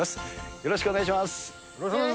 よろしくお願いします。